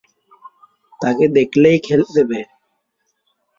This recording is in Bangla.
তাকে দেখলেই, খেলে দেবে।